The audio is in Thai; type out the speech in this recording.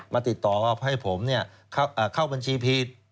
มาติดต่อให้ผมเข้าบัญชีผิด